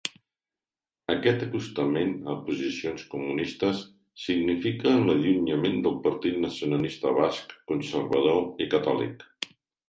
Aquest acostament a posicions comunistes significa l'allunyament del Partit Nacionalista Basc, conservador i catòlic.